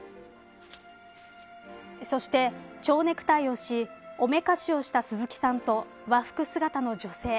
そして、チョウネクタイをしおめかしをした鈴木さんと和服姿の女性。